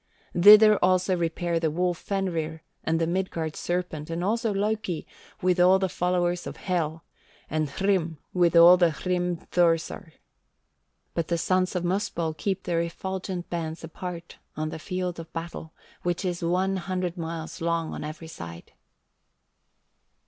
Thither also repair the wolf Fenrir and the Midgard serpent, and also Loki, with all the followers of Hel, and Hrym with all the Hrimthursar. But the sons of Muspell keep their effulgent bands apart on the field of battle, which is one hundred miles long on every side.